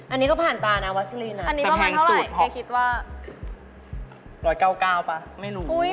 อันนี้ก็ผ่านตานะวัสลินแต่แพงสุดเคยคิดว่าอันนี้ก็มาเท่าไหร่เคยคิดว่า